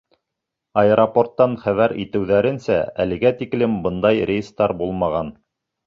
Аэропорттан хәбәр итеүҙәренсә, әлегә тиклем бындай рейстар булмаған.